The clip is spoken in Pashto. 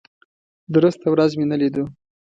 درسته ورځ مې نه لیدو.